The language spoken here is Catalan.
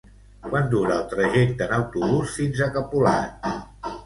Quant dura el trajecte en autobús fins a Capolat?